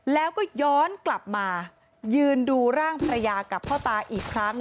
แล้วก็ย้อนกลับมายืนดูร่างภรรยากับพ่อตาอีกครั้ง